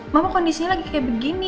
mama kondisinya lagi kayak begini